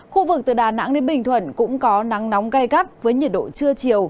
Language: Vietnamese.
khu vực từ đà nẵng đến bình thuận cũng có nắng nóng gai gắt với nhiệt độ trưa chiều